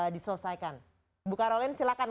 diselesaikan ibu karolin silakan